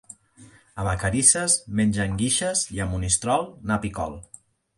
A Vacarisses mengen guixes i a Monistrol nap i col.